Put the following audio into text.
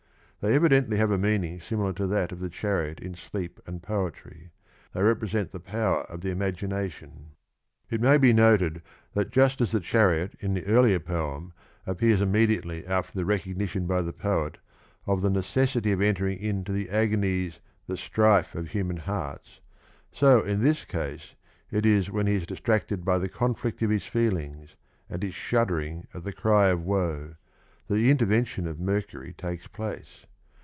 They evidently have a meaning similar to that of the chariot in Sleep and Poetry : they represent the power of the imagination. It may be noted that just as the chariot in the earlier poem appears imme diately after the recognition by the poet of the necessity of entering into " the agonies, the strife of human hearts," so in this case it is when he is distracted by the conflict of his feelings, and is shuddering at the cry of woe, that the intervention of Mercury takes place.